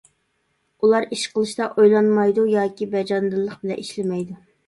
ئۇلار ئىش قىلىشتا ئويلانمايدۇ ياكى بەجانىدىللىق بىلەن ئىشلىمەيدۇ.